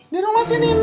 di rumah si nining